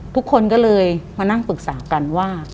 ทุกคนก็เลยมานั่งปรึกษากันว่า